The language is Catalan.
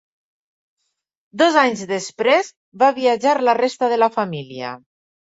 Dos anys després va viatjar la resta de la família.